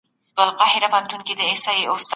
ایا له ډېري چای څښلو وروسته د اوبو چښل پکار دي؟